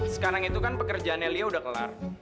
sekarang itu kan pekerjaannya lia udah kelar